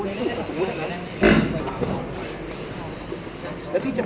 พี่อัดมาสองวันไม่มีใครรู้หรอก